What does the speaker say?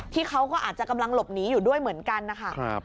เขาก็อาจจะกำลังหลบหนีอยู่ด้วยเหมือนกันนะคะ